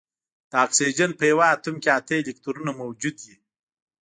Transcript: د اکسیجن په یوه اتوم کې اته الکترونونه موجود وي